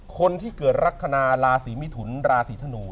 คนที่เกิดลักษณะราศีมิถุนราศีธนู